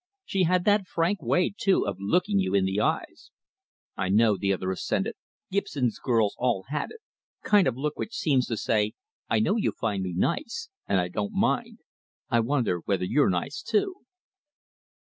She had that frank way, too, of looking you in the eyes." "I know," the other assented. "Gibson's girls all had it. Kind of look which seems to say 'I know you find me nice and I don't mind. I wonder whether you're nice, too.'"